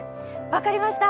分かりました！